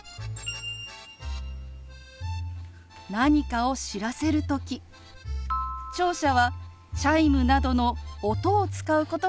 何かを知らせる時聴者はチャイムなどの音を使うことが多いですよね。